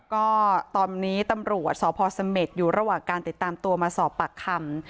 ก็ตอนนี้ตำรวจสพเสม็ดอยู่ระหว่างการติดตามตัวมาสอบปากคำ